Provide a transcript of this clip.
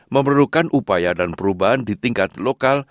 memerlukan upaya dan perubahan di tingkat lokal